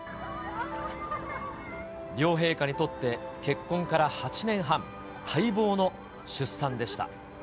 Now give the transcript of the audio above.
両陛下にとって結婚から８年半、待望の出産でした。